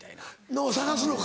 のを探すのか。